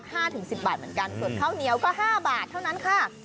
ละห้าถึง๑๐บาทเหมือนกันศุดเข้าเหนียวก็๕บาทเท่านั้นค่ะ